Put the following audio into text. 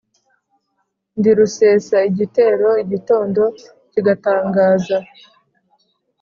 Ndi rusesa igitero igitondo kigatangaza